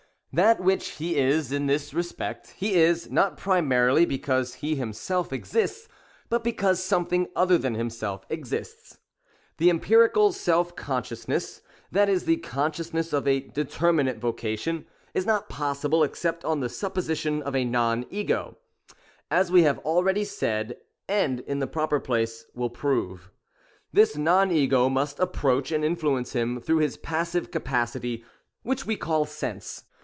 That which he is in this respect, he is, not primarily because he himself exists, but because something other than himself exists. The empirical self consciousness; — that is, the consciousness of a determinate vocation, is not possible except on the supposition of a Non Ego, as we have already said, and in the proper place will prove. This Non Ego must approach and influence him through his passive capacity, which we call sense.